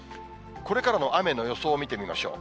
これからの雨の予想を見てみましょう。